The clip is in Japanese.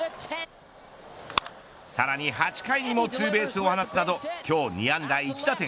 さらに８回にもツーベースを放つなど今日２安打１打点。